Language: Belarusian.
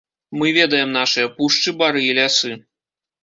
Мы ведаем нашыя пушчы, бары і лясы.